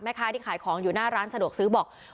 ค้าที่ขายของอยู่หน้าร้านสะดวกซื้อบอก